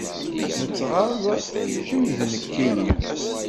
Nettɣaḍ kemm d nekkini.